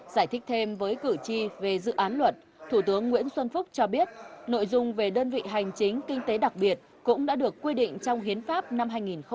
giải thích thêm với cử tri về dự án luật thủ tướng nguyễn xuân phúc cho biết nội dung về đơn vị hành chính kinh tế đặc biệt cũng đã được quy định trong hiến pháp năm hai nghìn một mươi ba